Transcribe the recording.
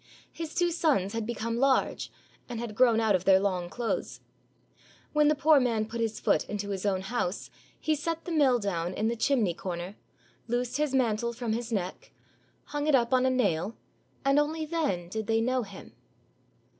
His two sons had become large, and had grown out of their long clothes. When the poor man put his foot into his own house, he set the mill down in the chimney corner, loosed his mantle from his neck, hung it up on a nail, and only then did they know him.